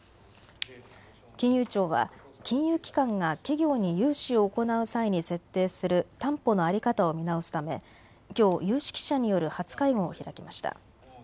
金融庁は金融機関が企業に融資を行う際に設定する担保の在り方を見直すため、きょう有識者による初会合を開きました。